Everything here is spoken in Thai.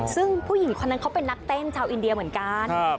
ซึ่งผู้หญิงคนนั้นเขาเป็นนักเต้นชาวอินเดียเหมือนกัน